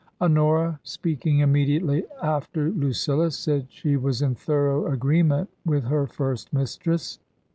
Honora speaking immediately after Lucilla, said she was in thorough agreement with her first mistress.